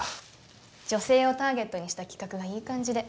女性をターゲットにした企画がいい感じで。